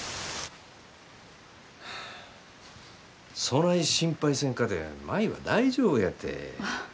そない心配せんかて舞は大丈夫やて。